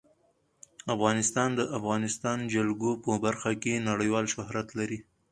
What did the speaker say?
افغانستان د د افغانستان جلکو په برخه کې نړیوال شهرت لري.